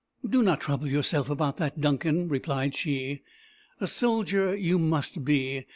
"Do not trouble yourself about that, Duncan," replied she. "A soldier you must be.